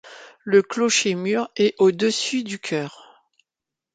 Le clocher-mur, est au-dessus du chœur.